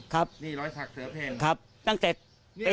ครับตั้งแต่ตี